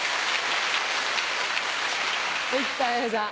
たい平さん。